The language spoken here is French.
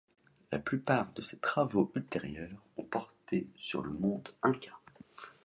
La plupart de ses travaux ultérieurs ont porté sur le monde inca.